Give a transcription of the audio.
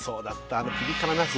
あのピリ辛ナス